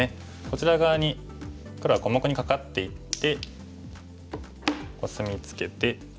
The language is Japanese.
こちら側に黒は小目にカカっていってコスミツケて。